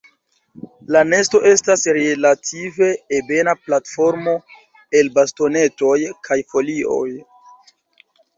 La nesto estas relative ebena platformo el bastonetoj kaj folioj.